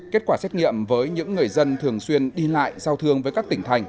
kết quả xét nghiệm với những người dân thường xuyên đi lại giao thương với các tỉnh thành